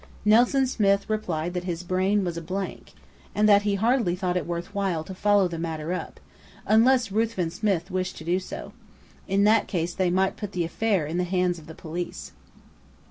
Nelson Smith replied that his brain was a blank, and that he hardly thought it worth while to follow the matter up, unless Ruthven Smith wished to do so. In that case they might put the affair in the hands of the police.